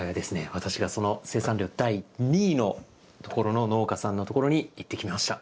私がその生産量第２位のところの農家さんのところに行ってきました。